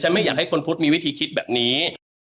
ไม่อยากให้คนพุทธมีวิธีคิดแบบนี้